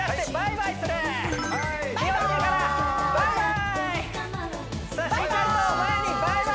バイバーイ！